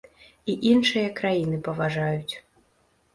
І іншыя краіны паважаюць.